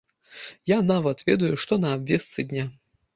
Я нават ведаю, што на абвестцы дня.